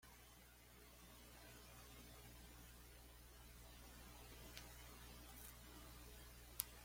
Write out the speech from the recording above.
El bloque transmite especiales navideños durante las vacaciones invernales.